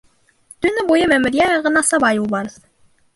Төнө буйы мәмерйә яғына саба юлбарыҫ.